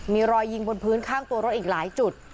มีรอยยิงบนพื้นข้างตัวรถอีกหลายจุด